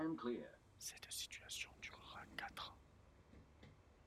Cette situation durera quatre ans.